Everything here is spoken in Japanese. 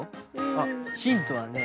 あヒントはね